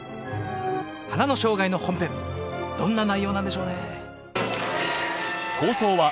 「花の生涯」の本編どんな内容なんでしょうね？